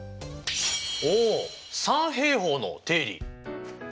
おお三平方の定理！